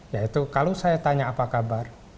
yaitu kalau saya tanya apa kabar